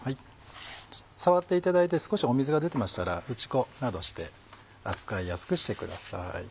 触っていただいて少し水が出てましたら打ち粉などして扱いやすくしてください。